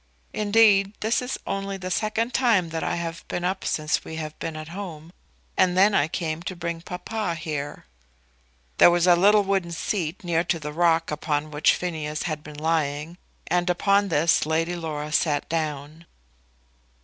Indeed this is only the second time that I have been up since we have been at home, and then I came to bring papa here." There was a little wooden seat near to the rock upon which Phineas had been lying, and upon this Lady Laura sat down.